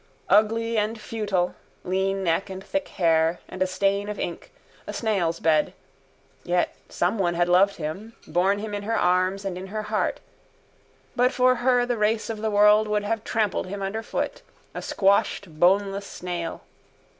Ugly and futile: lean neck and tangled hair and a stain of ink, a snail's bed. Yet someone had loved him, borne him in her arms and in her heart. But for her the race of the world would have trampled him underfoot, a squashed boneless snail.